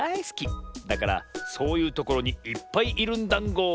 だからそういうところにいっぱいいるんだんご。